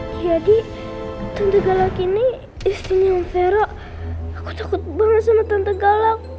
jadi tante galak ini istrinya om fero aku takut banget sama tante galak